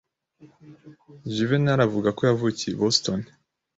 Juvenali avuga ko yavukiye i Boston.